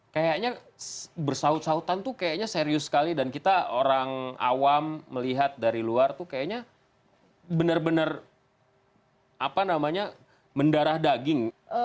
kayaknya bersaut sautan itu serius sekali dan kita orang awam melihat dari luar itu kayaknya benar benar mendarah daging